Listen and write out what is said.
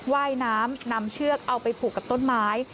ว่ายน้ำนำเชือกเอาไปผูกกับต้นไม้